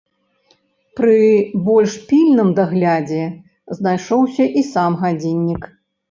Пры больш пільным даглядзе знайшоўся і сам гадзіннік.